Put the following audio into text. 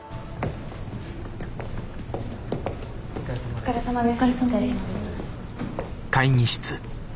お疲れさまです。